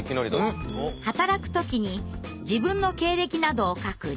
働く時に自分の経歴などを書く履歴書。